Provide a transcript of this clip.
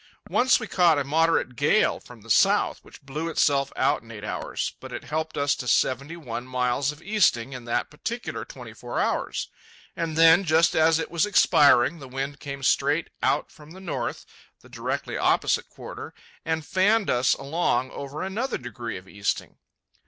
Once we caught a moderate gale from the south, which blew itself out in eight hours, but it helped us to seventy one miles of easting in that particular twenty four hours. And then, just as it was expiring, the wind came straight out from the north (the directly opposite quarter), and fanned us along over another degree of easting.